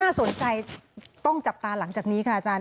สนใจต้องจับตาหลังจากนี้ค่ะอาจารย์